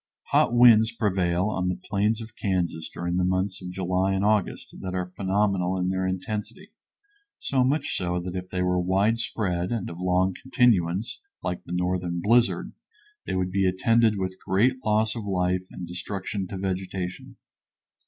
Hot winds prevail on the plains of Kansas during the months of July and August that are phenomenal in their intensity, so much so that if they were widespread and of long continuance, like the northern blizzard, they would be attended with great loss of life and destruction to vegetation.